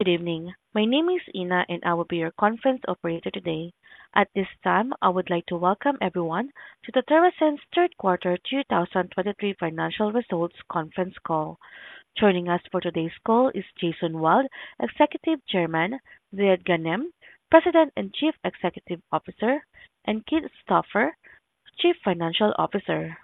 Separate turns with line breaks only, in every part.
Good evening. My name is Ina, and I will be your conference operator today. At this time, I would like to welcome everyone to the TerrAscend's third quarter 2023 financial results conference call. Joining us for today's call is Jason Wild, Executive Chairman, Ziad Ghanem, President and Chief Executive Officer, and Keith Stauffer, Chief Financial Officer.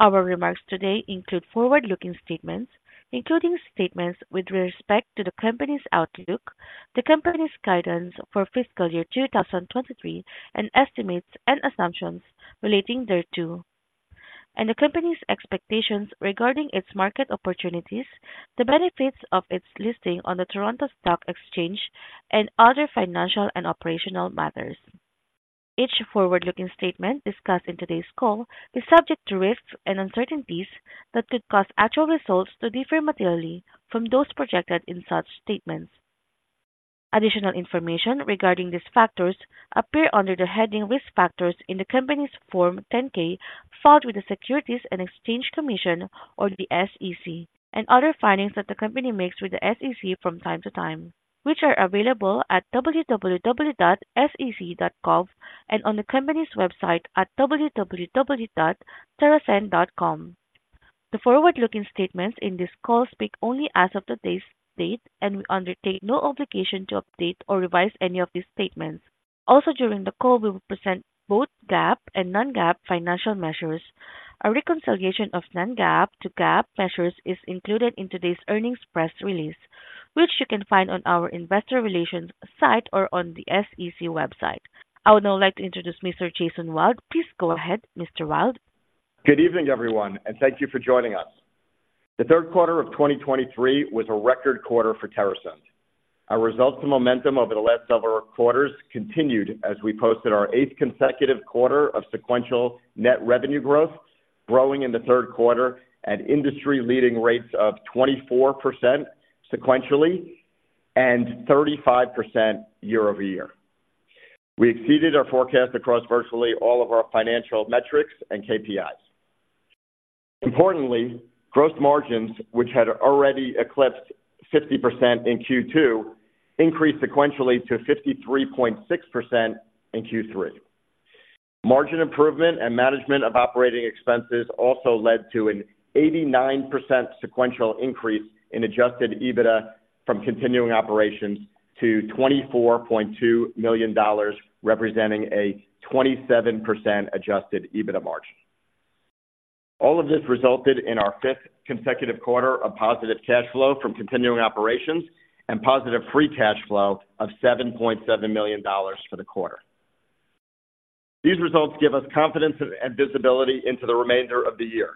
Our remarks today include forward-looking statements, including statements with respect to the company's outlook, the company's guidance for fiscal year 2023, and estimates and assumptions relating thereto, and the company's expectations regarding its market opportunities, the benefits of its listing on the Toronto Stock Exchange, and other financial and operational matters. Each forward-looking statement discussed in today's call is subject to risks and uncertainties that could cause actual results to differ materially from those projected in such statements. Additional information regarding these factors appear under the heading Risk Factors in the company's Form 10-K, filed with the Securities and Exchange Commission, or the SEC, and other filings that the company makes with the SEC from time to time, which are available at www.sec.gov and on the company's website at www.terrascend.com. The forward-looking statements in this call speak only as of today's date, and we undertake no obligation to update or revise any of these statements. Also, during the call, we will present both GAAP and non-GAAP financial measures. A reconciliation of non-GAAP to GAAP measures is included in today's earnings press release, which you can find on our investor relations site or on the SEC website. I would now like to introduce Mr. Jason Wild. Please go ahead, Mr. Wild.
Good evening, everyone, and thank you for joining us. The third quarter of 2023 was a record quarter for TerrAscend. Our results and momentum over the last several quarters continued as we posted our eighth consecutive quarter of sequential net revenue growth, growing in the third quarter at industry-leading rates of 24% sequentially and 35% year-over-year. We exceeded our forecast across virtually all of our financial metrics and KPIs. Importantly, gross margins, which had already eclipsed 50% in Q2, increased sequentially to 53.6% in Q3. Margin improvement and management of operating expenses also led to an 89% sequential increase in adjusted EBITDA from continuing operations to $24.2 million, representing a 27% adjusted EBITDA margin. All of this resulted in our fifth consecutive quarter of positive cash flow from continuing operations and positive free cash flow of $7.7 million for the quarter. These results give us confidence and visibility into the remainder of the year.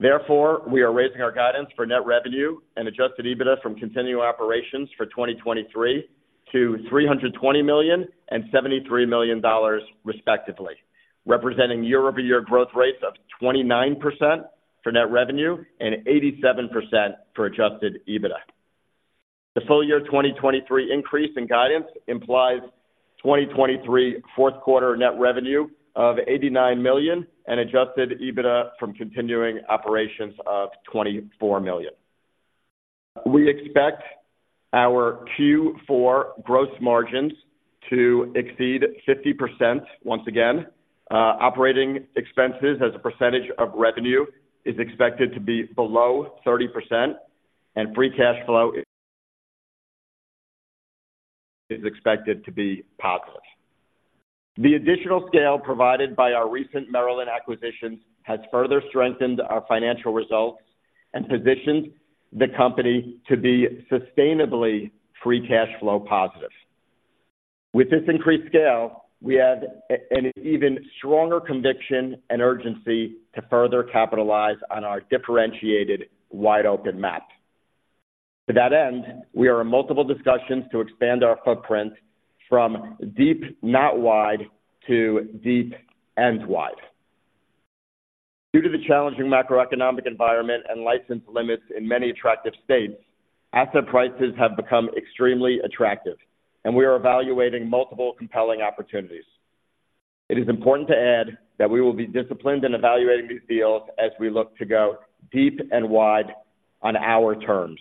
Therefore, we are raising our guidance for net revenue and adjusted EBITDA from continuing operations for 2023 to $320 million and $73 million, respectively, representing year-over-year growth rates of 29% for net revenue and 87% for adjusted EBITDA. The full year 2023 increase in guidance implies 2023 fourth quarter net revenue of $89 million and adjusted EBITDA from continuing operations of $24 million. We expect our Q4 gross margins to exceed 50% once again. Operating expenses as a percentage of revenue is expected to be below 30%, and free cash flow is expected to be positive. The additional scale provided by our recent Maryland acquisitions has further strengthened our financial results and positioned the company to be sustainably free cash flow positive. With this increased scale, we have an even stronger conviction and urgency to further capitalize on our differentiated wide-open map. To that end, we are in multiple discussions to expand our footprint from deep, not wide, to deep and wide. Due to the challenging macroeconomic environment and license limits in many attractive states, asset prices have become extremely attractive, and we are evaluating multiple compelling opportunities. It is important to add that we will be disciplined in evaluating these deals as we look to go deep and wide on our terms.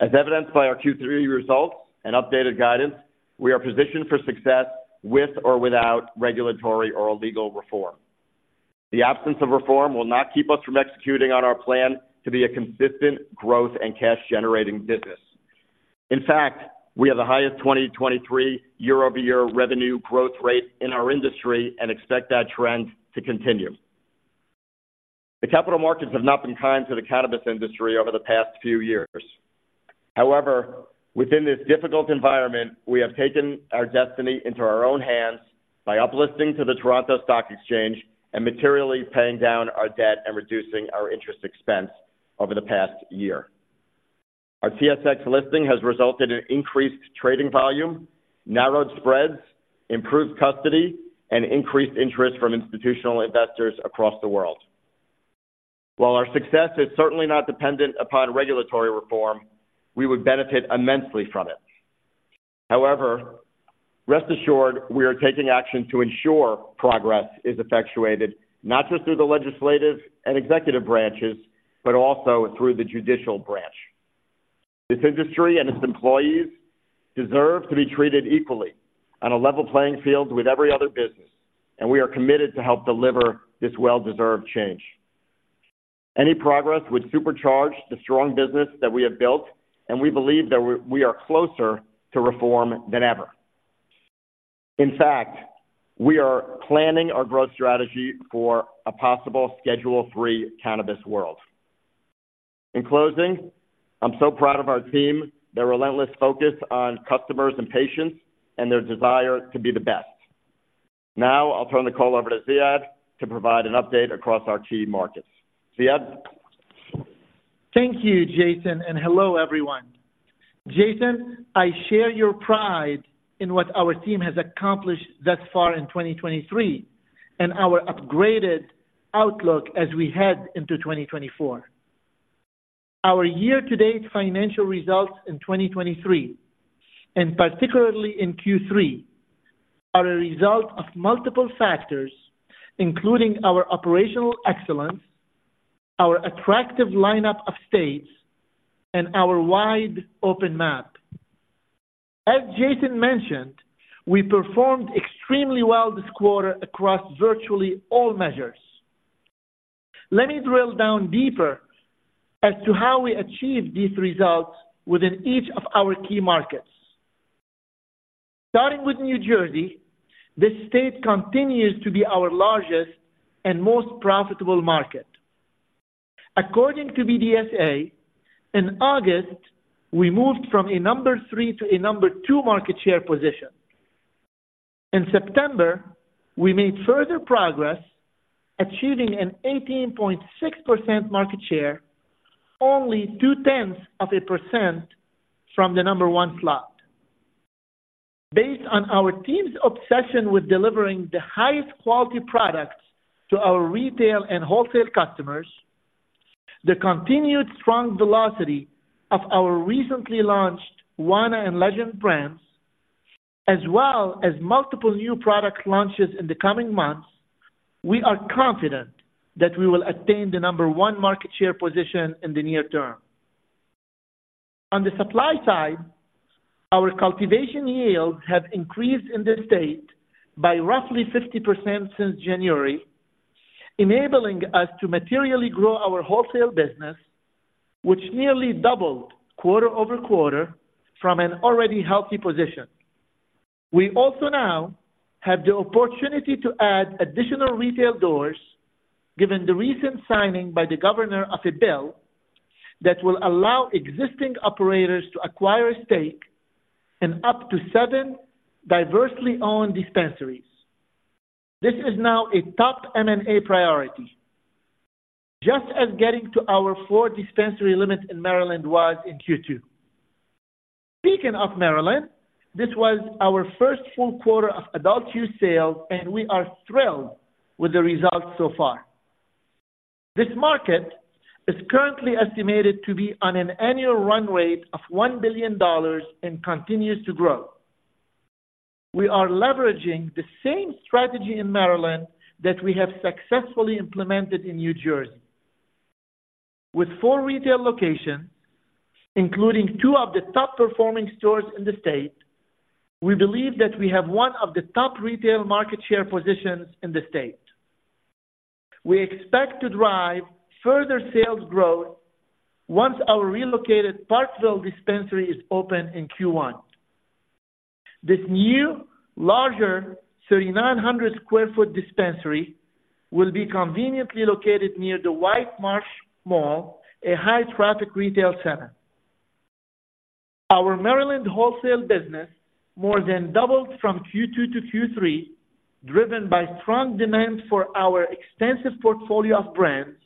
As evidenced by our Q3 results and updated guidance, we are positioned for success with or without regulatory or legal reform. The absence of reform will not keep us from executing on our plan to be a consistent growth and cash-generating business. In fact, we have the highest 2023 year-over-year revenue growth rate in our industry and expect that trend to continue. The capital markets have not been kind to the cannabis industry over the past few years. However, within this difficult environment, we have taken our destiny into our own hands by uplisting to the Toronto Stock Exchange and materially paying down our debt and reducing our interest expense over the past year. Our TSX listing has resulted in increased trading volume, narrowed spreads, improved custody, and increased interest from institutional investors across the world. While our success is certainly not dependent upon regulatory reform, we would benefit immensely from it. However, rest assured, we are taking action to ensure progress is effectuated, not just through the legislative and executive branches, but also through the judicial branch. This industry and its employees deserve to be treated equally on a level playing field with every other business, and we are committed to help deliver this well-deserved change. Any progress would supercharge the strong business that we have built, and we believe that we, we are closer to reform than ever. In fact, we are planning our growth strategy for a possible Schedule III cannabis world. In closing, I'm so proud of our team, their relentless focus on customers and patients, and their desire to be the best. Now, I'll turn the call over to Ziad to provide an update across our key markets. Ziad?
Thank you, Jason, and hello, everyone. Jason, I share your pride in what our team has accomplished thus far in 2023 and our upgraded outlook as we head into 2024. Our year-to-date financial results in 2023, and particularly in Q3, are a result of multiple factors, including our operational excellence, our attractive lineup of states, and our wide-open map. As Jason mentioned, we performed extremely well this quarter across virtually all measures. Let me drill down deeper as to how we achieved these results within each of our key markets. Starting with New Jersey, this state continues to be our largest and most profitable market. According to BDSA, in August, we moved from a number three to a number two market share position. In September, we made further progress, achieving an 18.6% market share, only 0.2% from the number one slot. Based on our team's obsession with delivering the highest quality products to our retail and wholesale customers, the continued strong velocity of our recently launched Wana and Legend brands, as well as multiple new product launches in the coming months, we are confident that we will attain the number one market share position in the near term. On the supply side, our cultivation yields have increased in this state by roughly 50% since January, enabling us to materially grow our wholesale business, which nearly doubled quarter-over-quarter from an already healthy position. We also now have the opportunity to add additional retail doors, given the recent signing by the Governor of a bill that will allow existing operators to acquire a stake in up to seven diversely owned dispensaries. This is now a top M&A priority, just as getting to our four dispensary limit in Maryland was in Q2. Speaking of Maryland, this was our first full quarter of adult use sales, and we are thrilled with the results so far. This market is currently estimated to be on an annual run rate of $1 billion and continues to grow. We are leveraging the same strategy in Maryland that we have successfully implemented in New Jersey. With four retail locations, including two of the top-performing stores in the state, we believe that we have one of the top retail market share positions in the state. We expect to drive further sales growth once our relocated Parkville dispensary is open in Q1. This new, larger, 3,900 sq ft dispensary will be conveniently located near the White Marsh Mall, a high-traffic retail center. Our Maryland wholesale business more than doubled from Q2 to Q3, driven by strong demand for our extensive portfolio of brands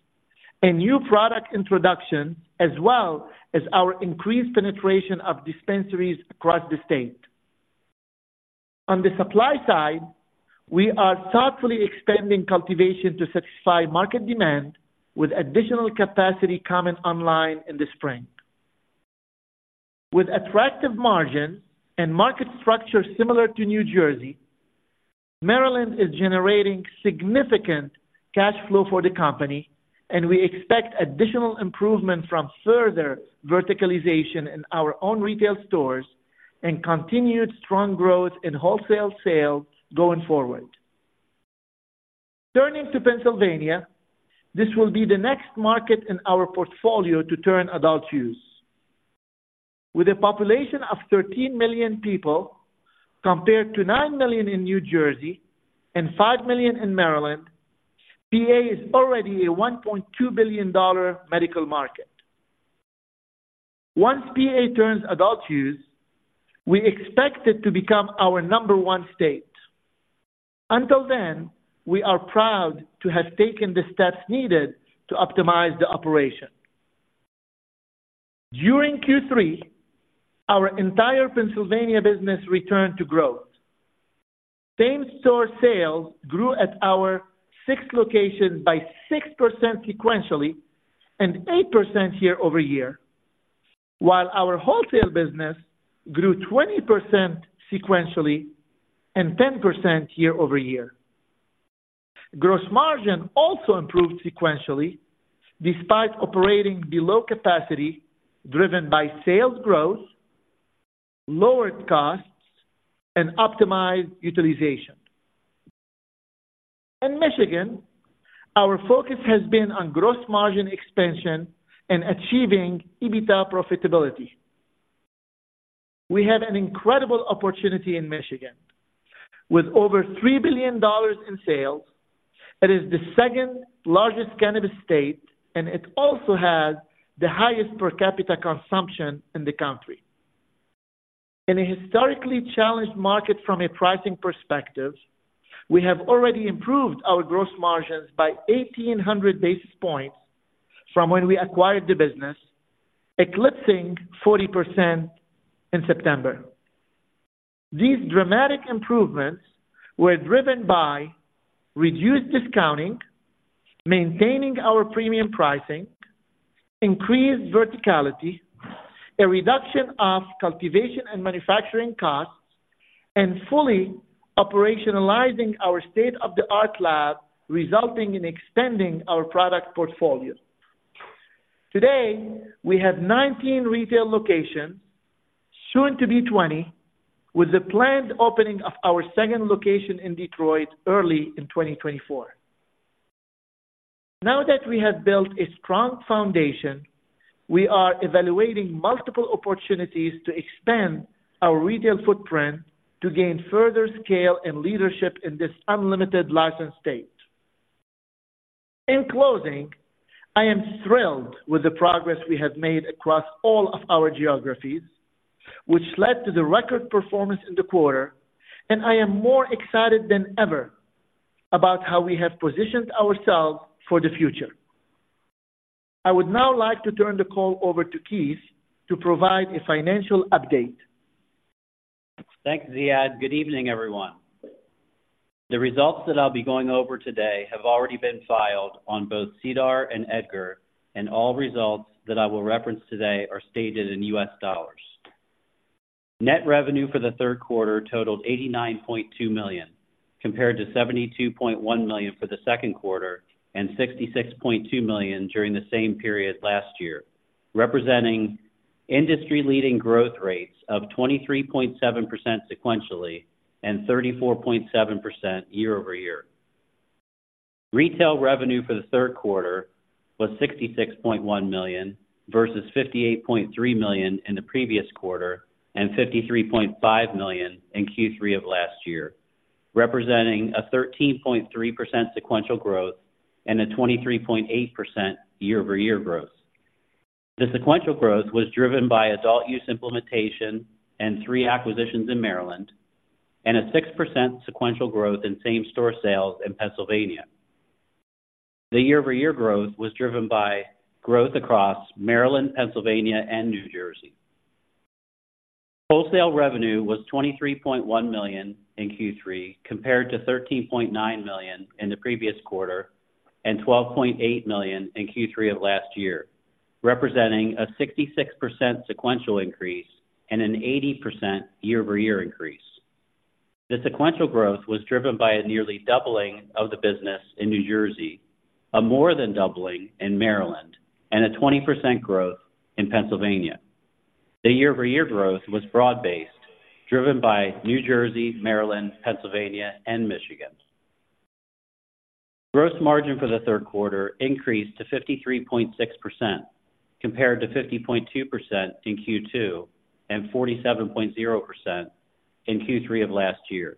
and new product introductions, as well as our increased penetration of dispensaries across the state. On the supply side, we are thoughtfully expanding cultivation to satisfy market demand with additional capacity coming online in the spring. With attractive margins and market structure similar to New Jersey, Maryland is generating significant cash flow for the company, and we expect additional improvement from further verticalization in our own retail stores and continued strong growth in wholesale sales going forward. Turning to Pennsylvania, this will be the next market in our portfolio to turn adult use. With a population of 13 million people, compared to 9 million in New Jersey and 5 million in Maryland, PA is already a $1.2 billion medical market. Once PA turns adult use, we expect it to become our number one state. Until then, we are proud to have taken the steps needed to optimize the operation. During Q3, our entire Pennsylvania business returned to growth. Same-store sales grew at our six locations by 6% sequentially and 8% year-over-year, while our wholesale business grew 20% sequentially and 10% year-over-year. Gross margin also improved sequentially, despite operating below capacity, driven by sales growth, lowered costs, and optimized utilization. In Michigan, our focus has been on gross margin expansion and achieving EBITDA profitability. We had an incredible opportunity in Michigan. With over $3 billion in sales, it is the second-largest cannabis state, and it also has the highest per capita consumption in the country. In a historically challenged market from a pricing perspective, we have already improved our gross margins by 1,800 basis points from when we acquired the business, eclipsing 40% in September. These dramatic improvements were driven by reduced discounting, maintaining our premium pricing, increased verticality, a reduction of cultivation and manufacturing costs, and fully operationalizing our state-of-the-art lab, resulting in extending our product portfolio. Today, we have 19 retail locations, soon to be 20, with the planned opening of our second location in Detroit early in 2024. Now that we have built a strong foundation, we are evaluating multiple opportunities to expand our retail footprint to gain further scale and leadership in this unlimited license state. In closing, I am thrilled with the progress we have made across all of our geographies, which led to the record performance in the quarter, and I am more excited than ever about how we have positioned ourselves for the future. I would now like to turn the call over to Keith to provide a financial update.
Thanks, Ziad. Good evening, everyone. The results that I'll be going over today have already been filed on both SEDAR and EDGAR, and all results that I will reference today are stated in U.S. dollars. Net revenue for the third quarter totaled $89.2 million, compared to $72.1 million for the second quarter and $66.2 million during the same period last year, representing industry-leading growth rates of 23.7% sequentially and 34.7% year-over-year. Retail revenue for the third quarter was $66.1 million, versus $58.3 million in the previous quarter and $53.5 million in Q3 of last year, representing a 13.3% sequential growth and a 23.8% year-over-year growth. The sequential growth was driven by adult use implementation and three acquisitions in Maryland, and a 6% sequential growth in same-store sales in Pennsylvania. The year-over-year growth was driven by growth across Maryland, Pennsylvania, and New Jersey. Wholesale revenue was $23.1 million in Q3, compared to $13.9 million in the previous quarter and $12.8 million in Q3 of last year, representing a 66% sequential increase and an 80% year-over-year increase. The sequential growth was driven by a nearly doubling of the business in New Jersey, a more than doubling in Maryland, and a 20% growth in Pennsylvania. The year-over-year growth was broad-based, driven by New Jersey, Maryland, Pennsylvania, and Michigan. Gross margin for the third quarter increased to 53.6%, compared to 50.2% in Q2 and 47.0% in Q3 of last year,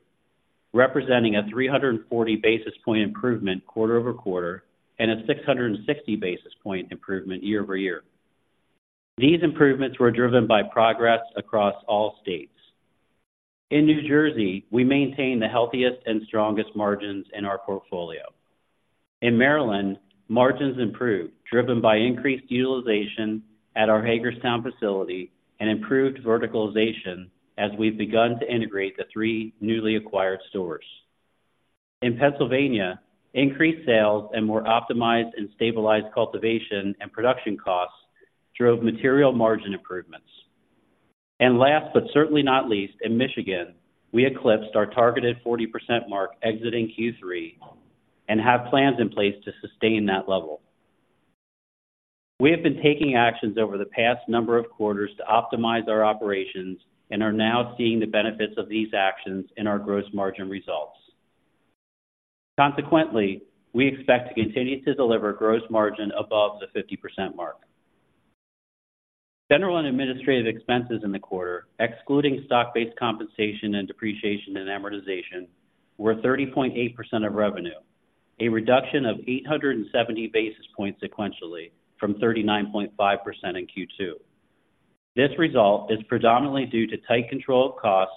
representing a 340 basis point improvement quarter-over-quarter and a 660 basis point improvement year-over-year. These improvements were driven by progress across all states. In New Jersey, we maintain the healthiest and strongest margins in our portfolio. In Maryland, margins improved, driven by increased utilization at our Hagerstown facility and improved verticalization as we've begun to integrate the three newly acquired stores. In Pennsylvania, increased sales and more optimized and stabilized cultivation and production costs drove material margin improvements. Last, but certainly not least, in Michigan, we eclipsed our targeted 40% mark exiting Q3 and have plans in place to sustain that level. We have been taking actions over the past number of quarters to optimize our operations and are now seeing the benefits of these actions in our gross margin results. Consequently, we expect to continue to deliver gross margin above the 50% mark. General and administrative expenses in the quarter, excluding stock-based compensation and depreciation and amortization, were 30.8% of revenue, a reduction of 870 basis points sequentially from 39.5% in Q2. This result is predominantly due to tight control of costs,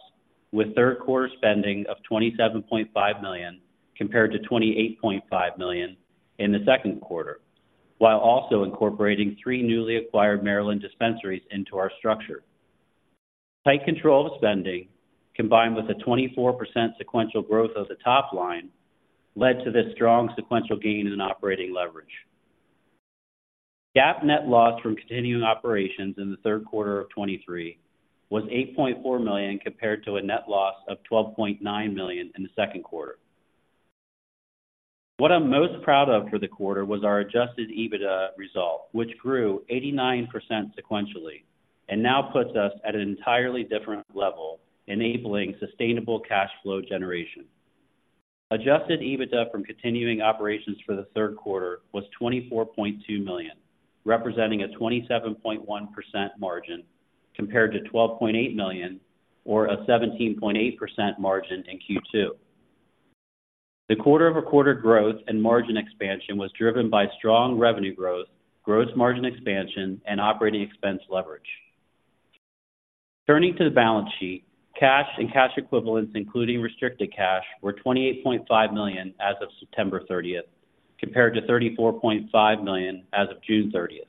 with third quarter spending of $27.5 million, compared to $28.5 million in the second quarter, while also incorporating three newly acquired Maryland dispensaries into our structure. Tight control of spending, combined with a 24% sequential growth of the top line, led to this strong sequential gain in operating leverage. GAAP net loss from continuing operations in the third quarter of 2023 was $8.4 million, compared to a net loss of $12.9 million in the second quarter. What I'm most proud of for the quarter was our adjusted EBITDA result, which grew 89% sequentially and now puts us at an entirely different level, enabling sustainable cash flow generation. Adjusted EBITDA from continuing operations for the third quarter was $24.2 million, representing a 27.1% margin, compared to $12.8 million or a 17.8% margin in Q2. The quarter-over-quarter growth and margin expansion was driven by strong revenue growth, gross margin expansion, and operating expense leverage. Turning to the balance sheet, cash and cash equivalents, including restricted cash, were $28.5 million as of September 30th, compared to $34.5 million as of June 30th.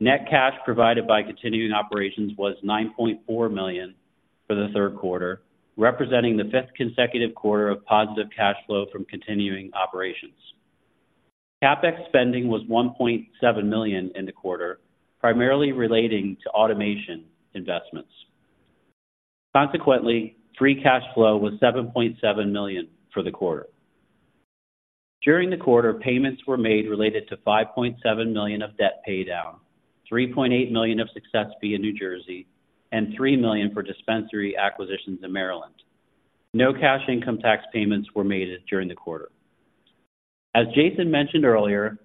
Net cash provided by continuing operations was $9.4 million for the third quarter, representing the fifth consecutive quarter of positive cash flow from continuing operations. CapEx spending was $1.7 million in the quarter, primarily relating to automation investments. Consequently, free cash flow was $7.7 million for the quarter. During the quarter, payments were made related to $5.7 million of debt paydown, $3.8 million of success fee in New Jersey, and $3 million for dispensary acquisitions in Maryland. No cash income tax payments were made during the quarter. As Jason mentioned earlier,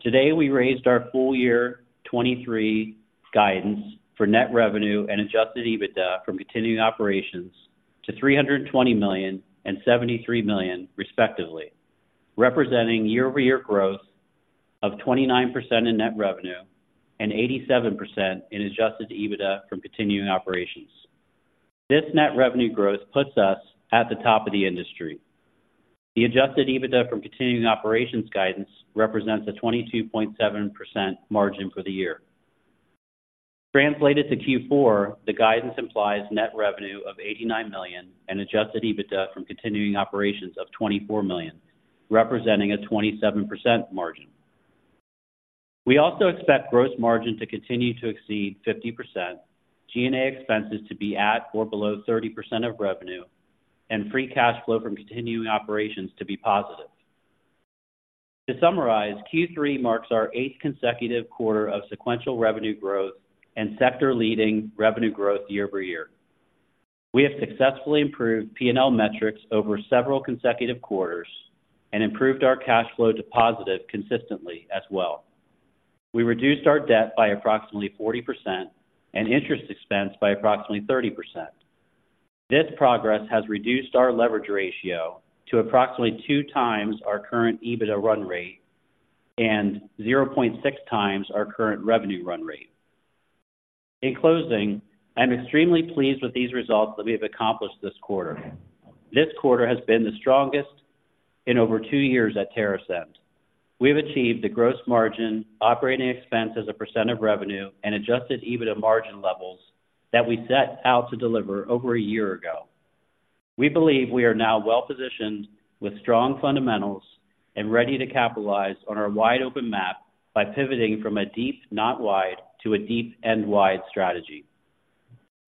today, we raised our full year 2023 guidance for net revenue and adjusted EBITDA from continuing operations to $320 million and $73 million, respectively, representing year-over-year growth of 29% in net revenue and 87% in adjusted EBITDA from continuing operations. This net revenue growth puts us at the top of the industry. The adjusted EBITDA from continuing operations guidance represents a 22.7% margin for the year. Translated to Q4, the guidance implies net revenue of $89 million and adjusted EBITDA from continuing operations of $24 million, representing a 27% margin. We also expect gross margin to continue to exceed 50%, G&A expenses to be at or below 30% of revenue, and free cash flow from continuing operations to be positive. To summarize, Q3 marks our 8th consecutive quarter of sequential revenue growth and sector-leading revenue growth year-over-year. We have successfully improved P&L metrics over several consecutive quarters and improved our cash flow to positive consistently as well. We reduced our debt by approximately 40% and interest expense by approximately 30%. This progress has reduced our leverage ratio to approximately 2x our current EBITDA run rate and 0.6x our current revenue run rate. In closing, I'm extremely pleased with these results that we have accomplished this quarter. This quarter has been the strongest in over two years at TerrAscend. We've achieved the gross margin, operating expense as a percent of revenue, and adjusted EBITDA margin levels that we set out to deliver over a year ago. We believe we are now well positioned with strong fundamentals and ready to capitalize on our wide-open map by pivoting from a deep, not wide, to a deep and wide strategy.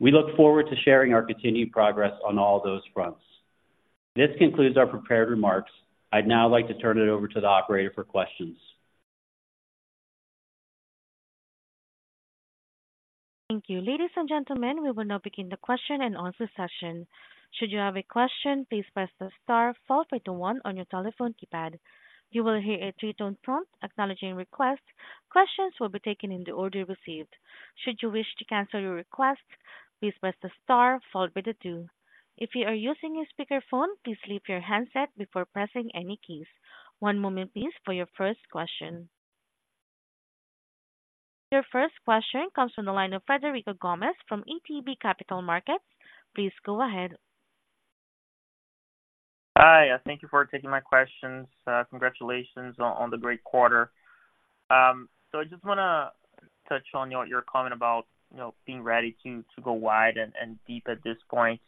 We look forward to sharing our continued progress on all those fronts. This concludes our prepared remarks. I'd now like to turn it over to the operator for questions.
Thank you. Ladies and gentlemen, we will now begin the question and answer session. Should you have a question, please press the star followed by the one on your telephone keypad. You will hear a three-tone prompt acknowledging request. Questions will be taken in the order received. Should you wish to cancel your request, please press the star followed by the two. If you are using a speakerphone, please leave your handset before pressing any keys. One moment, please, for your first question. Your first question comes from the line of Frederico Gomes from ATB Capital Markets. Please go ahead.
Hi, thank you for taking my questions. Congratulations on the great quarter. So I just want to touch on your comment about, you know, being ready to go wide and deep at this point.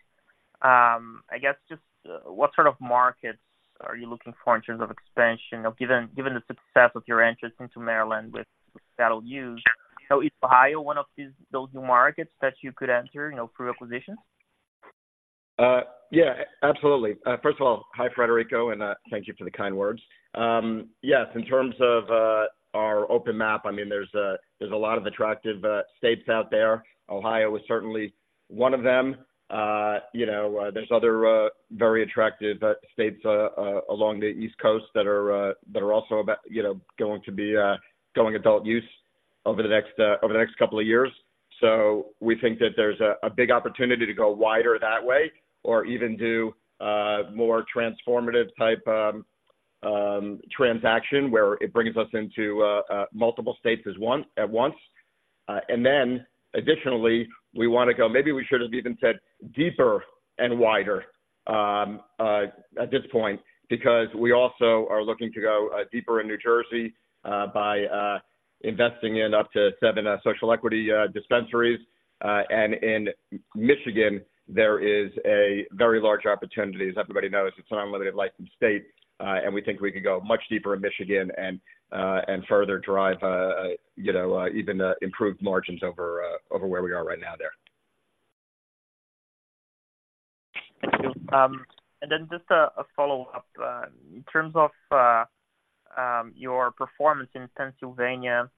I guess just what sort of markets are you looking for in terms of expansion? You know, given the success of your entrance into Maryland with adult use, is Ohio one of these-those new markets that you could enter, you know, through acquisitions?
Yeah, absolutely. First of all, hi, Frederico, and thank you for the kind words. Yes, in terms of our open map, I mean, there's a lot of attractive states out there. Ohio is certainly one of them. You know, there's other very attractive states along the East Coast that are also about, you know, going to be going adult use over the next couple of years. So we think that there's a big opportunity to go wider that way or even do more transformative type transaction, where it brings us into multiple states as one at once. And then additionally, we wanna go, maybe we should have even said deeper and wider, at this point, because we also are looking to go, deeper in New Jersey, by, investing in up to seven social equity dispensaries. And in Michigan, there is a very large opportunity. As everybody knows, it's an unlimited licensed state, and we think we could go much deeper in Michigan and, and further drive, you know, even, improved margins over, over where we are right now there.
Thank you. And then just a follow-up. In terms of your performance in Pennsylvania,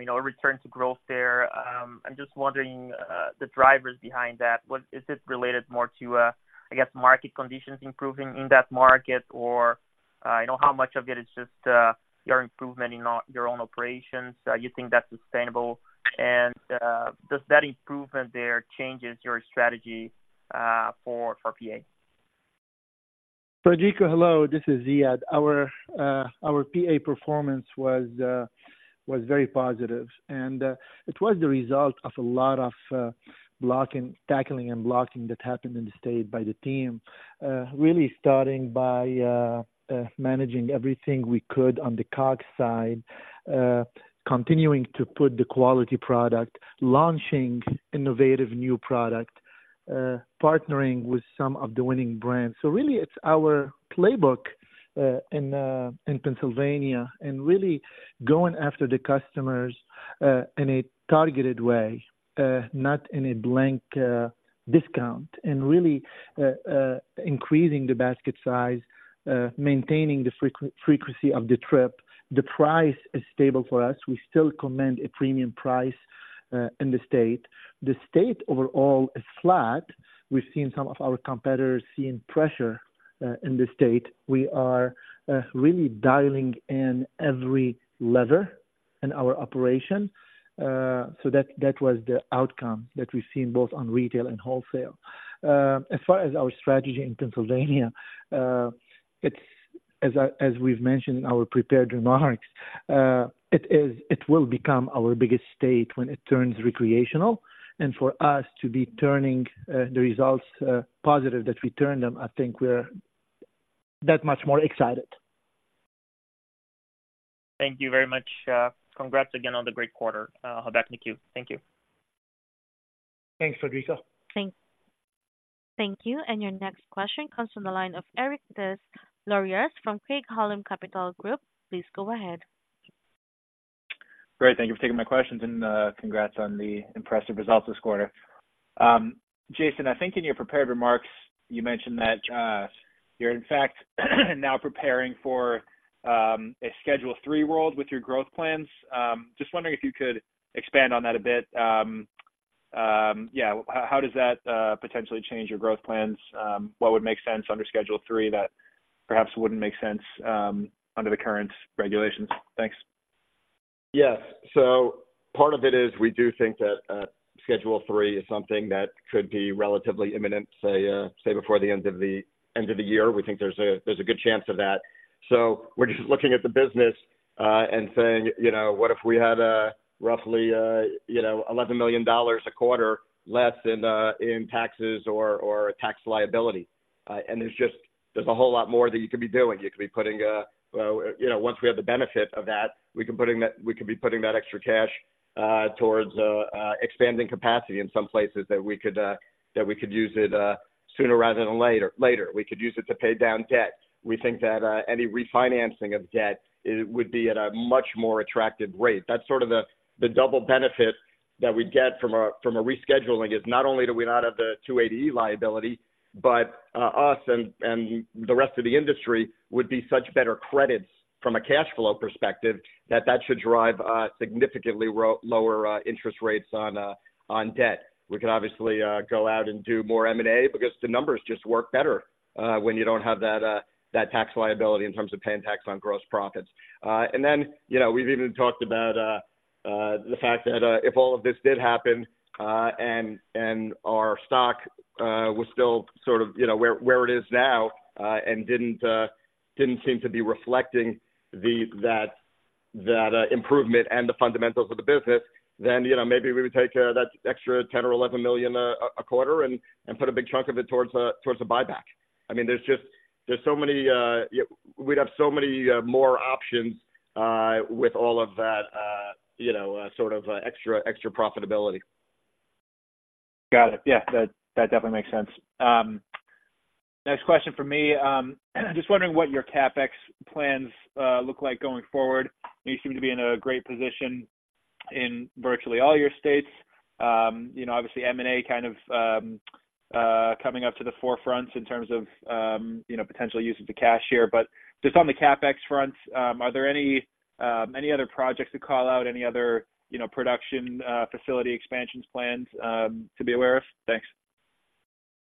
you know, a return to growth there. I'm just wondering the drivers behind that. What is it related more to, I guess, market conditions improving in that market? Or I know how much of it is just your improvement in our, your own operations. You think that's sustainable? And does that improvement there changes your strategy for PA?
Rodrigo, hello, this is Ziad. Our PA performance was very positive, and it was the result of a lot of blocking, tackling and blocking that happened in the state by the team. Really starting by managing everything we could on the cost side, continuing to put the quality product, launching innovative new product, partnering with some of the winning brands. So really it's our playbook in Pennsylvania, and really going after the customers in a targeted way, not in a blanket discount, and really increasing the basket size, maintaining the frequency of the trip. The price is stable for us. We still command a premium price in the state. The state overall is flat. We've seen some of our competitors seeing pressure in the state. We are really dialing in every lever in our operation. So that, that was the outcome that we've seen both on retail and wholesale. As far as our strategy in Pennsylvania, it's as we've mentioned in our prepared remarks, it is. It will become our biggest state when it turns recreational. And for us to be turning the results positive, that we turn them, I think we're that much more excited.
Thank you very much. Congrats again on the great quarter. Back to you. Thank you.
Thanks, Rodrigo.
Thank you. Your next question comes from the line of Eric Des Lauriers from Craig-Hallum Capital Group. Please go ahead.
Great, thank you for taking my questions, and, congrats on the impressive results this quarter. Jason, I think in your prepared remarks, you mentioned that you're in fact now preparing for a Schedule III world with your growth plans. Just wondering if you could expand on that a bit. Yeah, how does that potentially change your growth plans? What would make sense under Schedule III that perhaps wouldn't make sense under the current regulations? Thanks.
Yes. So part of it is we do think that Schedule III is something that could be relatively imminent, say, before the end of the end of the year. We think there's a good chance of that. So we're just looking at the business and saying, you know, what if we had roughly $11 million a quarter less in taxes or tax liability? And there's just a whole lot more that you could be doing. You could be putting, you know, once we have the benefit of that, we could be putting that extra cash towards expanding capacity in some places that we could use it sooner rather than later. We could use it to pay down debt. We think that any refinancing of debt, it would be at a much more attractive rate. That's sort of the double benefit that we'd get from a rescheduling, is not only do we not have the 280E liability, but us and the rest of the industry would be such better credits from a cash flow perspective, that that should drive significantly lower interest rates on debt. We could obviously go out and do more M&A because the numbers just work better when you don't have that tax liability in terms of paying tax on gross profits. Then, you know, we've even talked about the fact that, if all of this did happen, and our stock was still sort of, you know, where it is now, and didn't seem to be reflecting that improvement and the fundamentals of the business, then, you know, maybe we would take that extra $10 million or $11 million a quarter and put a big chunk of it towards a buyback. I mean, there's just so many, we'd have so many more options with all of that, you know, sort of extra profitability.
Got it. Yeah, that, that definitely makes sense. Next question for me. Just wondering what your CapEx plans look like going forward. You seem to be in a great position in virtually all your states. You know, obviously M&A kind of coming up to the forefront in terms of, you know, potential use of the cash here. But just on the CapEx front, are there any other projects to call out, any other, you know, production facility expansions plans to be aware of? Thanks.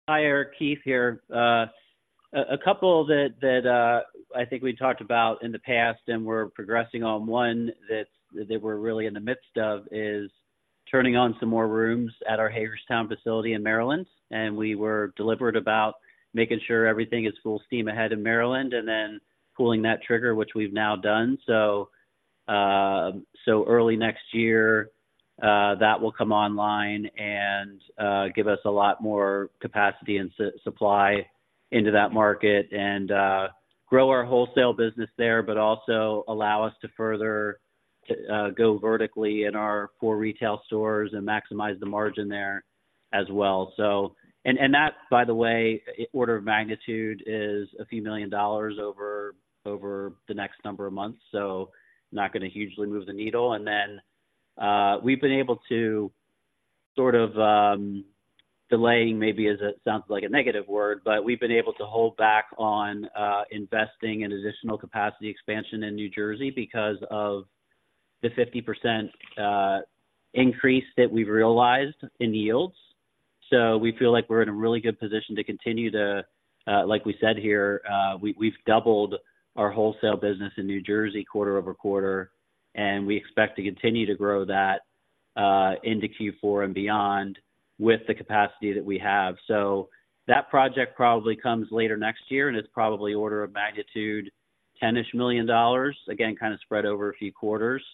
Hi, Eric. Keith here. A couple that I think we talked about in the past and we're progressing on, one that we're really in the midst of is turning on some more rooms at our Hagerstown facility in Maryland, and we were deliberate about making sure everything is full steam ahead in Maryland and then pulling that trigger, which we've now done. So, so early next year, that will come online and, give us a lot more capacity and supply into that market and, grow our wholesale business there, but also allow us to further, to, go vertically in our four retail stores and maximize the margin there as well. So, and, and that, by the way, order of magnitude is a few million dollars over the next number of months, so not gonna hugely move the needle. Then, we've been able to sort of delaying maybe as it sounds like a negative word, but we've been able to hold back on investing in additional capacity expansion in New Jersey because of the 50% increase that we've realized in yields. So we feel like we're in a really good position to continue to, like we said here, we've doubled our wholesale business in New Jersey quarter-over-quarter, and we expect to continue to grow that into Q4 and beyond with the capacity that we have. So that project probably comes later next year, and it's probably order of magnitude, $10-ish million, again, kind of spread over a few quarters.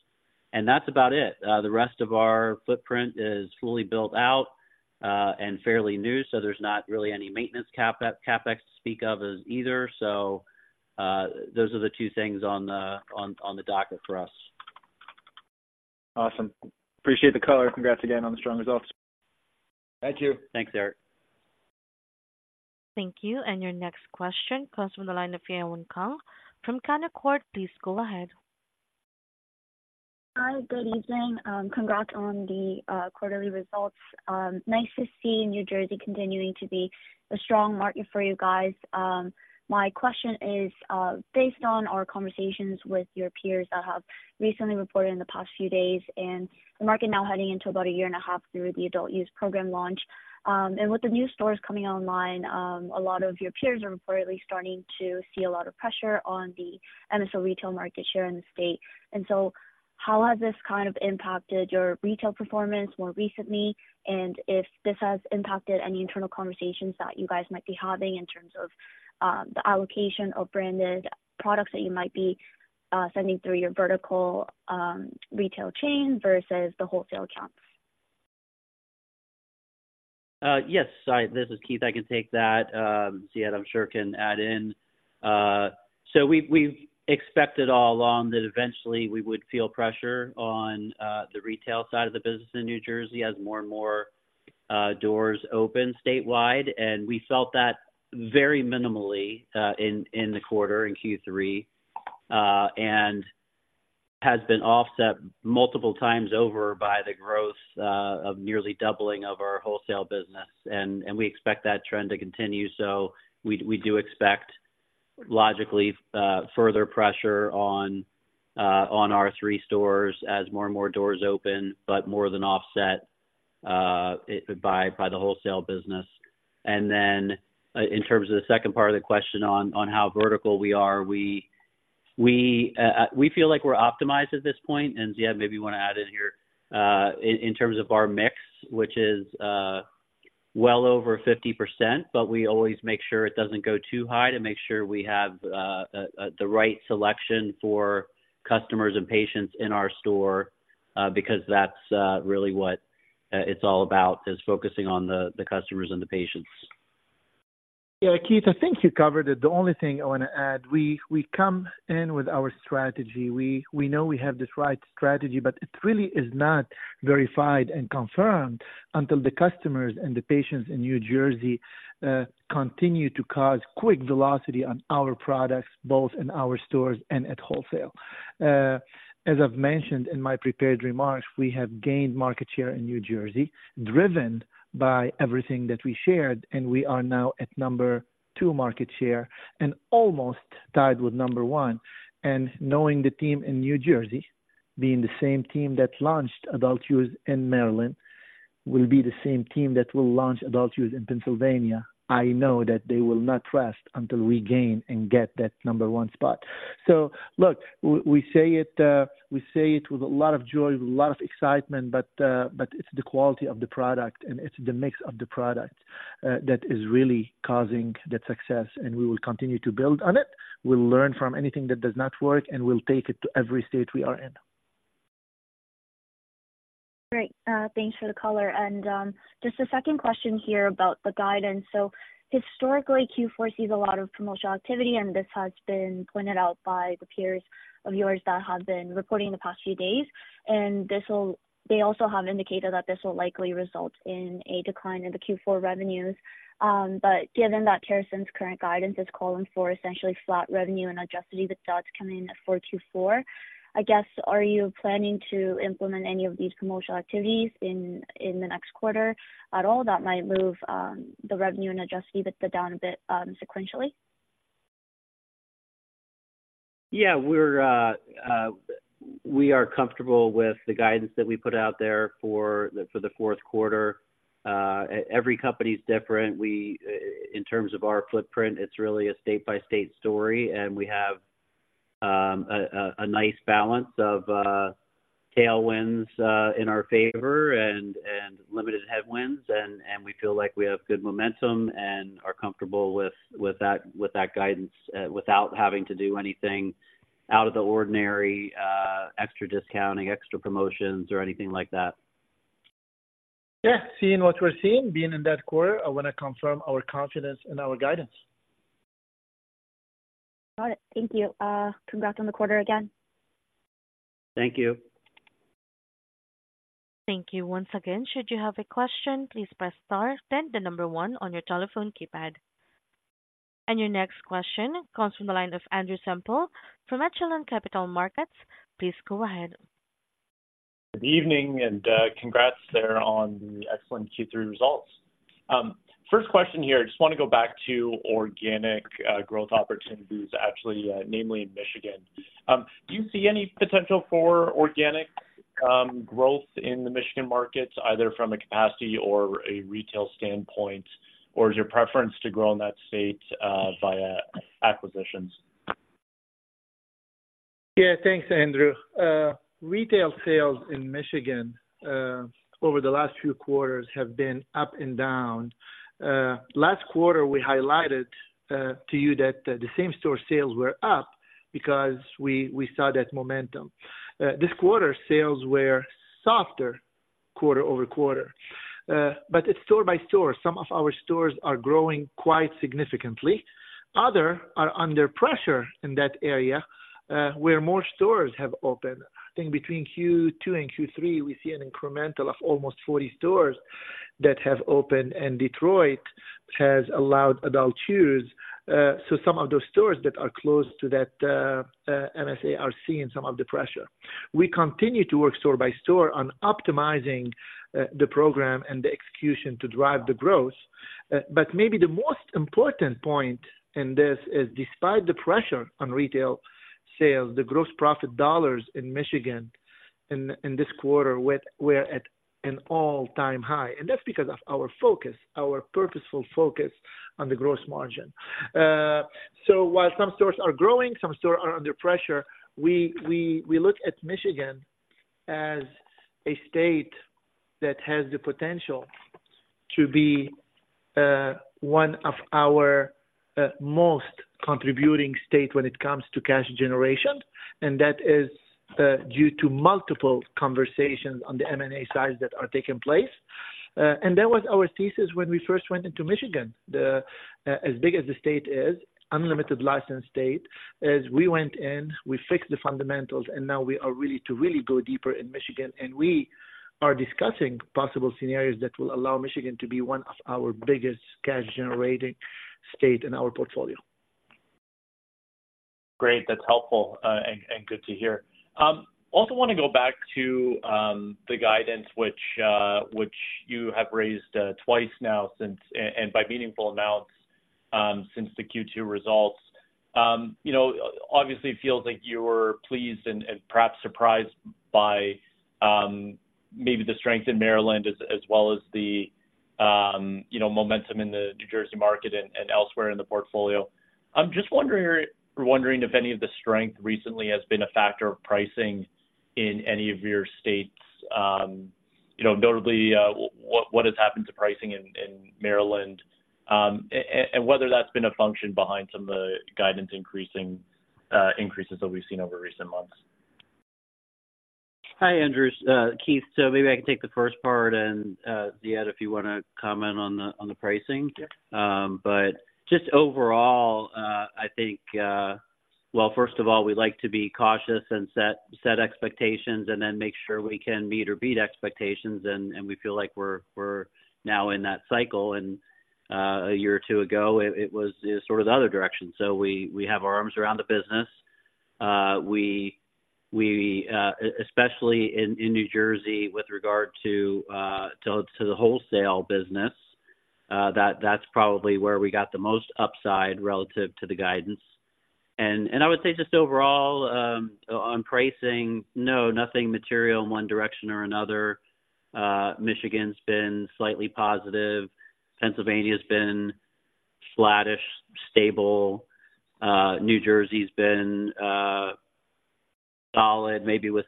That's about it. The rest of our footprint is fully built out, and fairly new, so there's not really any maintenance CapEx, CapEx to speak of as either. So, those are the two things on the docket for us.
Awesome. Appreciate the color. Congrats again on the strong results.
Thank you.
Thanks, Eric.
Thank you, and your next question comes from the line of Yewon Kang from Canaccord. Please go ahead.
Hi, good evening. Congrats on the quarterly results. Nice to see New Jersey continuing to be a strong market for you guys. My question is based on our conversations with your peers that have recently reported in the past few days, and the market now heading into about a year and a half through the adult-use program launch. And with the new stores coming online, a lot of your peers are reportedly starting to see a lot of pressure on the MSO retail market share in the state. And so how has this kind of impacted your retail performance more recently? And if this has impacted any internal conversations that you guys might be having in terms of the allocation of branded products that you might be sending through your vertical retail chain versus the wholesale accounts.
Yes, this is Keith. I can take that. Ziad, I'm sure, can add in. So we've expected all along that eventually we would feel pressure on the retail side of the business in New Jersey as more and more doors open statewide. And we felt that very minimally in the quarter, in Q3, and has been offset multiple times over by the growth of nearly doubling of our wholesale business. And we expect that trend to continue. So we do expect, logically, further pressure on our three stores as more and more doors open, but more than offset by the wholesale business. And then in terms of the second part of the question on how vertical we are, we feel like we're optimized at this point, and Ziad, maybe you want to add in here, in terms of our mix, which is well over 50%, but we always make sure it doesn't go too high to make sure we have the right selection for customers and patients in our store, because that's really what it's all about, is focusing on the customers and the patients.
Yeah, Keith, I think you covered it. The only thing I want to add, we come in with our strategy. We know we have the right strategy, but it really is not verified and confirmed until the customers and the patients in New Jersey continue to cause quick velocity on our products, both in our stores and at wholesale. As I've mentioned in my prepared remarks, we have gained market share in New Jersey, driven by everything that we shared, and we are now at number tow market share and almost tied with number one. Knowing the team in New Jersey, being the same team that launched adult use in Maryland, will be the same team that will launch adult use in Pennsylvania, I know that they will not rest until we gain and get that number one spot. So look, we, we say it, we say it with a lot of joy, with a lot of excitement, but, but it's the quality of the product, and it's the mix of the product, that is really causing that success, and we will continue to build on it. We'll learn from anything that does not work, and we'll take it to every state we are in.
Great. Thanks for the color. And, just a second question here about the guidance. So historically, Q4 sees a lot of promotional activity, and this has been pointed out by the peers of yours that have been reporting the past few days. They also have indicated that this will likely result in a decline in the Q4 revenues. But given that our current guidance is calling for essentially flat revenue and adjusted EBITDA to come in for Q4, I guess, are you planning to implement any of these promotional activities in the next quarter at all, that might move the revenue and adjusted EBITDA down a bit, sequentially?
Yeah, we're comfortable with the guidance that we put out there for the fourth quarter. Every company is different. We in terms of our footprint, it's really a state-by-state story, and we have a nice balance of tailwinds in our favor and limited headwinds, and we feel like we have good momentum and are comfortable with that guidance without having to do anything out of the ordinary, extra discounting, extra promotions, or anything like that.
Yeah. Seeing what we're seeing, being in that quarter, I wanna confirm our confidence in our guidance.
Got it. Thank you. Congrats on the quarter again.
Thank you.
Thank you once again. Should you have a question, please press star, then the number one on your telephone keypad. Your next question comes from the line of Andrew Semple from Echelon Capital Markets. Please go ahead.
Good evening, and, congrats there on the excellent Q3 results. First question here, I just wanna go back to organic growth opportunities, actually, namely in Michigan. Do you see any potential for organic growth in the Michigan markets, either from a capacity or a retail standpoint? Or is your preference to grow in that state via acquisitions?
Yeah, thanks, Andrew. Retail sales in Michigan over the last few quarters have been up and down. Last quarter, we highlighted to you that the same-store sales were up because we saw that momentum. This quarter, sales were softer quarter-over-quarter. But it's store by store. Some of our stores are growing quite significantly. Others are under pressure in that area where more stores have opened. I think between Q2 and Q3, we see an incremental of almost 40 stores that have opened, and Detroit has allowed adult use. So some of those stores that are close to that MSA are seeing some of the pressure. We continue to work store by store on optimizing the program and the execution to drive the growth. But maybe the most important point in this is despite the pressure on retail sales, the gross profit dollars in Michigan in this quarter were at an all-time high, and that's because of our focus, our purposeful focus on the gross margin. So while some stores are growing, some stores are under pressure, we look at Michigan as a state that has the potential to be one of our most contributing state when it comes to cash generation, and that is due to multiple conversations on the M&A sides that are taking place. And that was our thesis when we first went into Michigan. As big as the state is, unlimited license state, as we went in, we fixed the fundamentals, and now we are ready to really go deeper in Michigan, and we are discussing possible scenarios that will allow Michigan to be one of our biggest cash-generating state in our portfolio.
Great, that's helpful, and good to hear. Also wanna go back to the guidance which you have raised twice now since and by meaningful amounts since the Q2 results. You know, obviously it feels like you were pleased and perhaps surprised by maybe the strength in Maryland as well as the you know, momentum in the New Jersey market and elsewhere in the portfolio. I'm just wondering if any of the strength recently has been a factor of pricing in any of your states, you know, notably what has happened to pricing in Maryland and whether that's been a function behind some of the guidance increasing increases that we've seen over recent months.
Hi, Andrew. Keith. So maybe I can take the first part and, Ziad, if you wanna comment on the, on the pricing.
Yeah.
But just overall, I think, well, first of all, we like to be cautious and set expectations and then make sure we can meet or beat expectations, and we feel like we're now in that cycle, and a year or two ago it was sort of the other direction. So we have our arms around the business. We especially in New Jersey, with regard to the wholesale business, that's probably where we got the most upside relative to the guidance. And I would say just overall on pricing, no nothing material in one direction or another. Michigan's been slightly positive. Pennsylvania's been flattish, stable. New Jersey's been solid, maybe with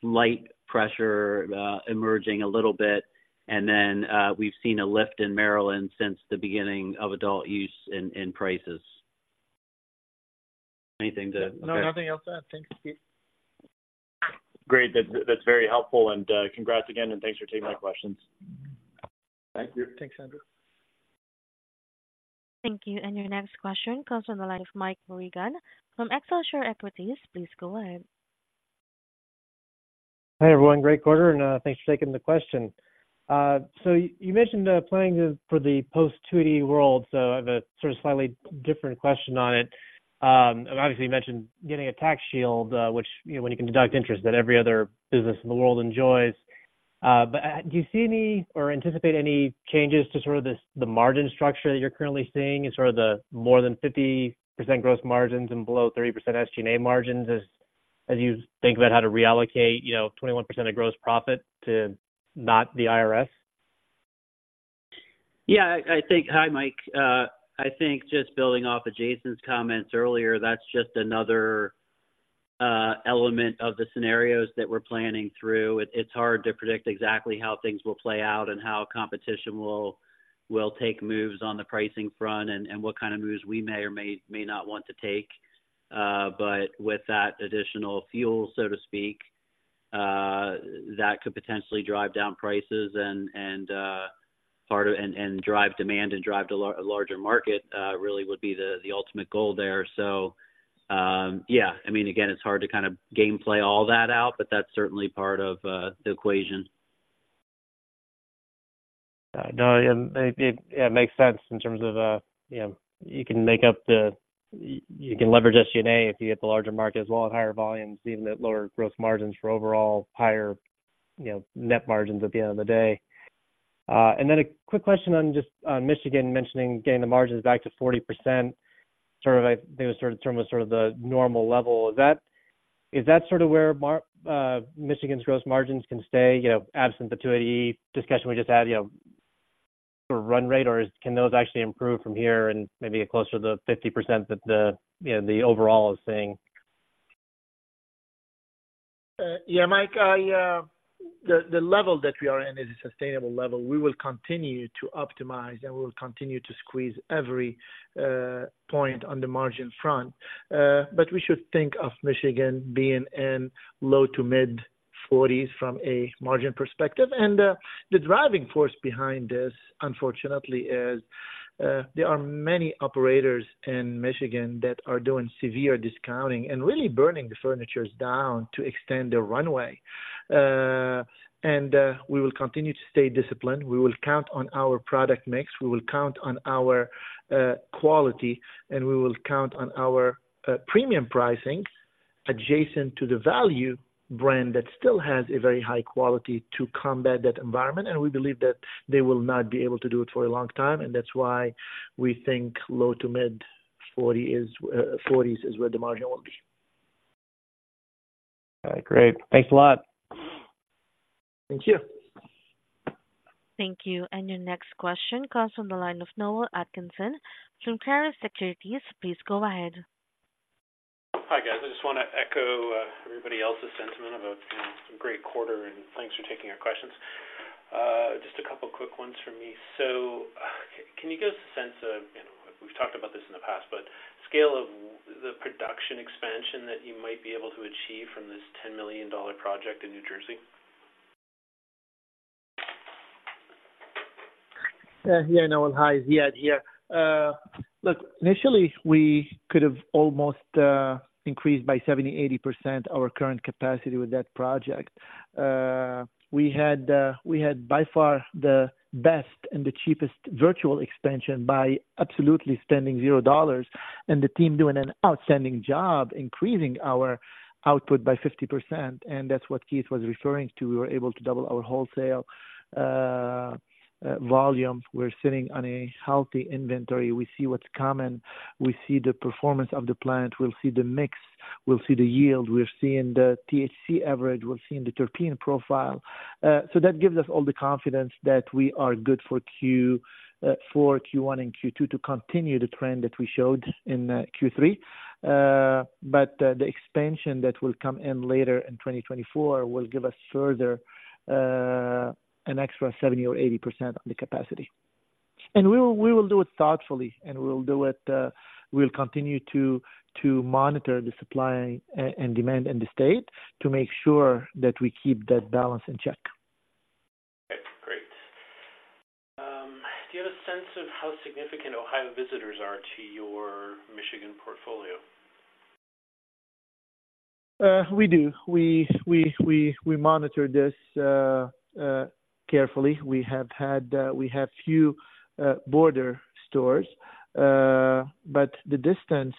slight pressure emerging a little bit. And then, we've seen a lift in Maryland since the beginning of adult use in prices. Anything to.
No, nothing else to add. Thanks, Keith.
Great. That's, that's very helpful, and, congrats again, and thanks for taking my questions.
Thank you.
Thanks, Andrew.
Thank you. And your next question comes from the line of Mike Regan from Excelsior Equities. Please go ahead.
Hi, everyone. Great quarter, and thanks for taking the question. So you mentioned playing for the post-280E world, so I have a sort of slightly different question on it. Obviously, you mentioned getting a tax shield, which, you know, when you can deduct interest that every other business in the world enjoys. But do you see any or anticipate any changes to sort of the margin structure that you're currently seeing and sort of the more than 50% gross margins and below 30% SG&A margins as you think about how to reallocate, you know, 21% of gross profit to not the IRS?
Yeah, I think, hi, Mike. I think just building off of Jason's comments earlier, that's just another element of the scenarios that we're planning through. It's hard to predict exactly how things will play out and how competition will take moves on the pricing front and what kind of moves we may or may not want to take. But with that additional fuel, so to speak, that could potentially drive down prices and drive demand and drive to a larger market, really would be the ultimate goal there. So, yeah. I mean, again, it's hard to kind of game play all that out, but that's certainly part of the equation.
No, and it, yeah, it makes sense in terms of, you know, you can make up the, you can leverage SG&A if you get the larger market as well, and higher volumes, even at lower gross margins for overall higher, you know, net margins at the end of the day. And then a quick question on just, on Michigan mentioning getting the margins back to 40%, sort of like, I think the sort of term was sort of the normal level. Is that, is that sort of where Michigan's gross margins can stay, you know, absent the 280 discussion we just had, you know, for run rate? Or can those actually improve from here and maybe get closer to the 50% that the, you know, the overall is saying?
Yeah, Mike, I, the level that we are in is a sustainable level. We will continue to optimize, and we will continue to squeeze every point on the margin front. But we should think of Michigan being in low to mid-40s from a margin perspective. And the driving force behind this, unfortunately, is there are many operators in Michigan that are doing severe discounting and really burning the furniture down to extend their runway. And we will continue to stay disciplined. We will count on our product mix, we will count on our quality, and we will count on our premium pricing adjacent to the value brand that still has a very high quality to combat that environment. We believe that they will not be able to do it for a long time, and that's why we think low to mid-40s is, 40s is where the margin will be.
All right, great. Thanks a lot.
Thank you.
Thank you. Your next question comes from the line of Noel Atkinson from Clarus Securities. Please go ahead.
Hi, guys. I just want to echo everybody's sentiment about, you know, some great quarter, and thanks for taking our questions. Just a couple quick ones from me. So, can you give us a sense of, you know, we've talked about this in the past, but scale of the production expansion that you might be able to achieve from this $10 million project in New Jersey?
Yeah, Noel. Hi, Ziad here. Look, initially, we could have almost increased by 70%, 80% our current capacity with that project. We had, we had by far the best and the cheapest virtual expansion by absolutely spending $0, and the team doing an outstanding job increasing our output by 50%, and that's what Keith was referring to. We were able to double our wholesale volume. We're sitting on a healthy inventory. We see what's coming. We see the performance of the plant. We'll see the mix, we'll see the yield, we're seeing the THC average, we're seeing the terpene profile. So that gives us all the confidence that we are good for Q, for Q1 and Q2 to continue the trend that we showed in Q3. But the expansion that will come in later in 2024 will give us further, an extra 70% or 80% on the capacity. And we will, we will do it thoughtfully, and we will do it, we'll continue to monitor the supply and demand in the state to make sure that we keep that balance in check.
Okay, great. Do you have a sense of how significant Ohio visitors are to your Michigan portfolio?
We do. We monitor this carefully. We have had a few border stores, but the distance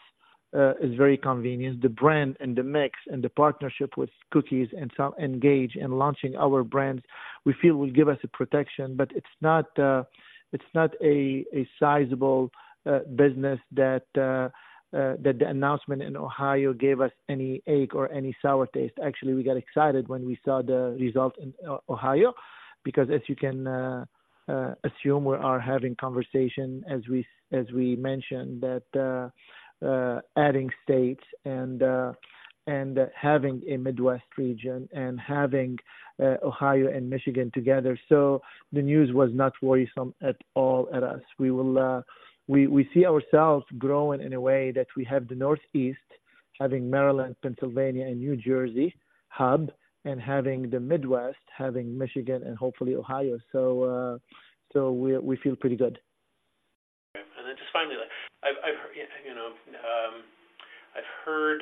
is very convenient. The brand and the mix and the partnership with Cookies and some Gage in launching our brands, we feel will give us a protection, but it's not a sizable business that the announcement in Ohio gave us any ache or any sour taste. Actually, we got excited when we saw the results in Ohio, because as you can assume, we are having conversation, as we mentioned, that adding states and having a Midwest region and having Ohio and Michigan together. So the news was not worrisome at all at us. We will, we see ourselves growing in a way that we have the Northeast, having Maryland, Pennsylvania, and New Jersey hub, and having the Midwest, having Michigan and hopefully Ohio. So, we feel pretty good.
Okay. And then just finally, like I've heard,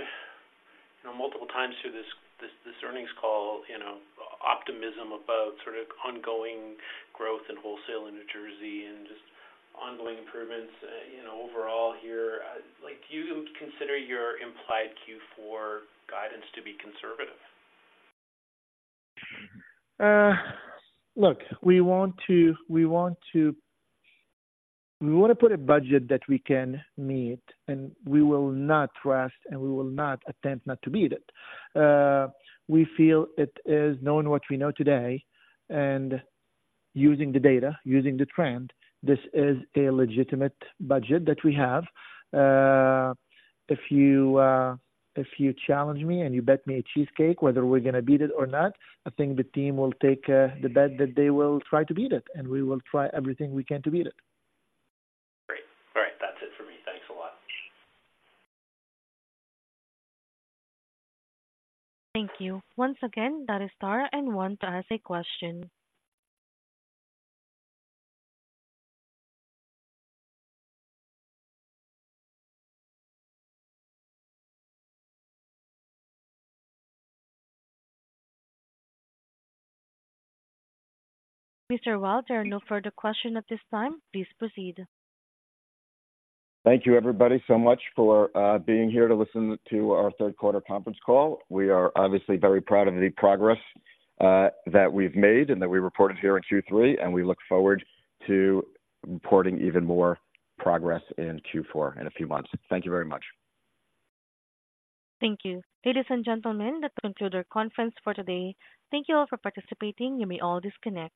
you know, multiple times through this earnings call, you know, optimism about sort of ongoing growth in wholesale in New Jersey and just ongoing improvements, you know, overall here. Like do you consider your implied Q4 guidance to be conservative?
Look, we want to put a budget that we can meet, and we will not rest, and we will not attempt not to beat it. We feel it is knowing what we know today and using the data, using the trend, this is a legitimate budget that we have. If you challenge me and you bet me a cheesecake, whether we're gonna beat it or not, I think the team will take the bet that they will try to beat it, and we will try everything we can to beat it.
Great. All right, that's it for me. Thanks a lot.
Thank you. Once again, that is star and one to ask a question. Mr. Wild, there are no further question at this time. Please proceed.
Thank you, everybody, so much for being here to listen to our third quarter conference call. We are obviously very proud of the progress that we've made and that we reported here in Q3, and we look forward to reporting even more progress in Q4 in a few months. Thank you very much.
Thank you. Ladies and gentlemen, that concludes our conference for today. Thank you all for participating. You may all disconnect.